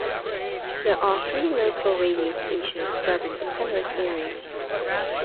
There are three local radio stations serving the Penrith area.